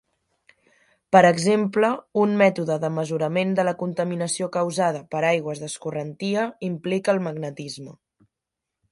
Per exemple, un mètode de mesurament de la contaminació causada per aigües d'escorrentia, implica el magnetisme.